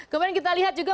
kemudian kita lihat juga